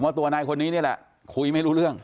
ตัวนายคนนี้นี่แหละคุยไม่รู้เรื่อง